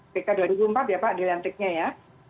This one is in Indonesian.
pk dua puluh empat ya pak di lantiknya ya